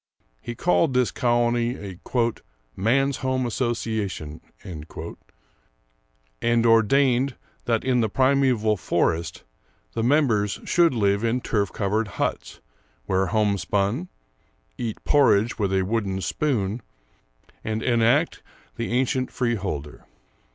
He called this colony a "Man's home Association," and ordained that in the primeval forest the members should live in turf covered huts, wear homespun, eat porridge with a wooden spoon, and enact the ancient freeholder.